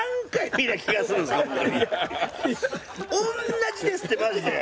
同じですってマジで！